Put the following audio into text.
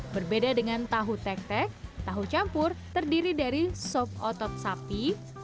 berbeda dengan tahu tek tek tahu campur terdiri dari sop otot sapi